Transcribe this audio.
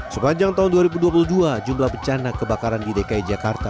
sepanjang tahun dua ribu dua puluh dua jumlah bencana kebakaran di dki jakarta